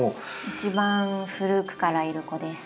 一番古くからいる子です。